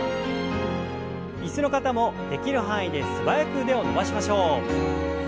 椅子の方もできる範囲で素早く腕を伸ばしましょう。